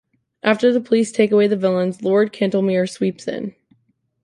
After the police take away the villains, Lord Cantlemere sweeps in.